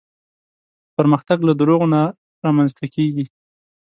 پرمختګ له دروغو نه رامنځته کېږي.